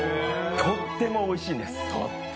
とってもおいしいんです。